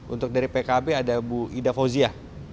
untuk dari pkb ada bu ida fauzia